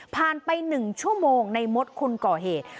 ผ่านไปหนึ่งชั่วโมงในมดคุณก่อเหตุ